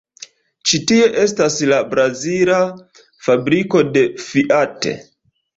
Ĉi tie estas la brazila fabriko de Fiat.